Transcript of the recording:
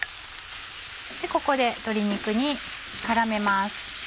ここで鶏肉に絡めます。